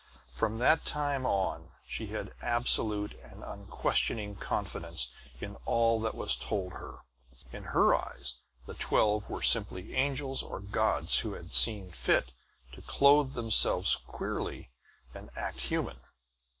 From that time on she had absolute and unquestioning confidence in all that was told her. In her eyes, the twelve were simply angels or gods who had seen fit to clothe themselves queerly and act human.